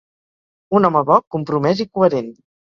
Un home bo, compromès i coherent.